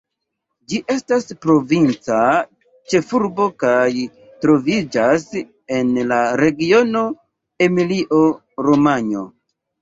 Ĝi estas provinca ĉefurbo kaj troviĝas en la regiono Emilio-Romanjo.